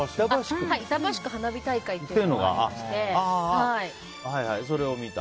板橋区花火大会というのがありまして。